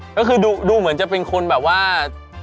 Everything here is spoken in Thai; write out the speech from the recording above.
ก็คือดูเหมือนจะเป็นคนแบบว่า